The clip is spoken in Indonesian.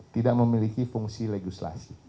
tidak memiliki fungsi legislasi